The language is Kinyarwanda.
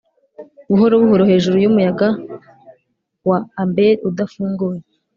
buhoro buhoro hejuru yumuyaga wa amber udafunguye,